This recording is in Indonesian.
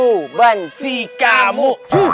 aku benci kamu